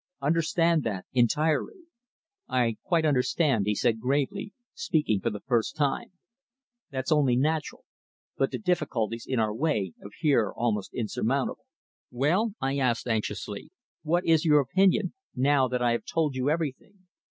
Understand that entirely." "I quite understand," he said gravely, speaking for the first time. "That's only natural. But the difficulties in our way appear almost insurmountable." "Well?" I asked anxiously, "what is your opinion, now that I have told you everything?"